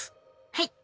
はい。